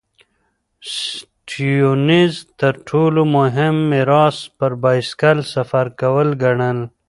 سټيونز تر ټولو مهم میراث پر بایسکل سفر کول ګڼل.